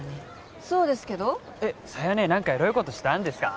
そうですけどえっ佐弥姉何かエロいことしたんですか？